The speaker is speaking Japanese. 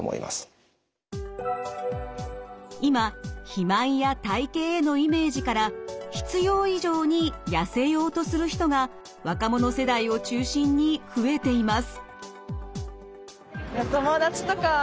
今肥満や体型へのイメージから必要以上にやせようとする人が若者世代を中心に増えています。